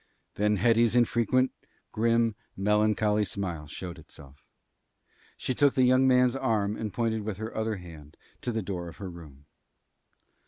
Then Hetty's infrequent, grim, melancholy smile showed itself. She took the young man's arm and pointed with her other hand to the door of her room.